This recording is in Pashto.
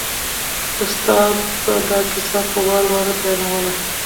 استاد به دا کیسه په وار وار بیانوله.